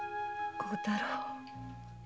孝太郎。